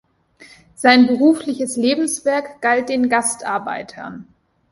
Sein berufliches Lebenswerk galt den Gastarbeitern.